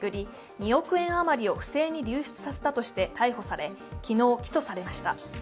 ２億円余りを不正に流出させたとして逮捕され、昨日、起訴されました。